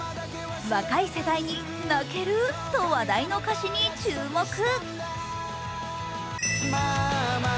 若い世代に泣けると話題の歌詞に注目。